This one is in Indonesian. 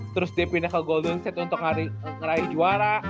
terus dia pindah ke golden seat untuk ngeraih juara